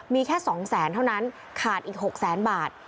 มีแค่๒แสนเท่านั้นขาดอีก๖แสนบาท